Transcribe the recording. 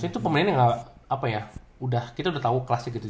tapi itu pemainnya gak apa ya udah kita udah tau kelasnya gitu